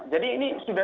jadi ini sudah